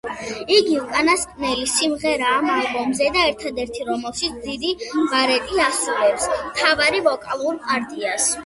იგი უკანასკნელი სიმღერაა ამ ალბომზე და ერთადერთი, რომელშიც სიდ ბარეტი ასრულებს მთავარ ვოკალურ პარტიას.